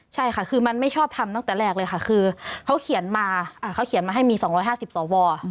ใช่ค่ะคือมันไม่ชอบทำตั้งแต่แรกเลยค่ะคือเขาเขียนมาเขาเขียนมาให้มี๒๕๐สว